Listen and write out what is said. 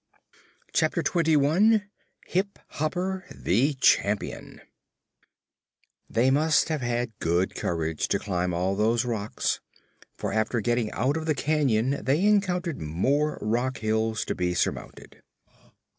Chapter Twenty One Hip Hopper the Champion They must have had good courage to climb all those rocks, for after getting out of the canyon they encountered more rock hills to be surmounted.